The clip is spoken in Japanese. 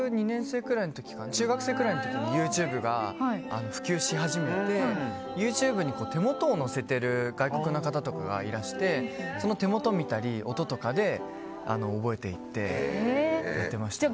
中学生くらいの時にＹｏｕＴｕｂｅが普及し始めてＹｏｕＴｕｂｅに手元を載せてる外国の方とかがいらしてその手元を見たり音とかで覚えていって弾いてました。